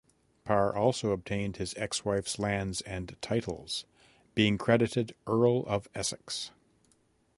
Parr also obtained his ex-wife's lands and titles, being created Earl of Essex.